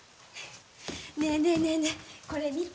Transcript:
ねえねえねえこれ見て。